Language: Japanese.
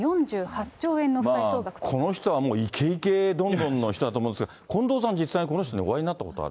この人はもう、イケイケドンドンの人だと思うんですが、近藤さん、実際にこの人にお会いになったことある？